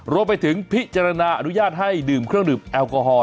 รวมไปถึงพิจารณาอนุญาตให้ดื่มเครื่องดื่มแอลกอฮอล